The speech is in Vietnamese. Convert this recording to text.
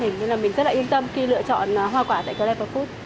nên là mình rất là yên tâm khi lựa chọn hoa quả tại clever food